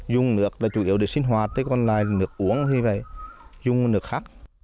dùng nước là chủ yếu để sinh hoạt thế còn lại là nước uống như vậy dùng nước khác